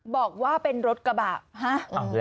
บอกว่าเป็นรถกระบะฮะ